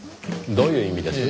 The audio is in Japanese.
どういう意味です？